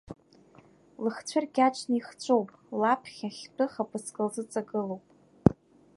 Лыхцәы ркьаҿны ихҵәоуп, лаԥхьа хьтәы хаԥыцк лзыҵагылоуп…